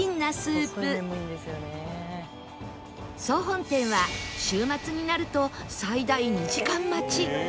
総本店は週末になると最大２時間待ち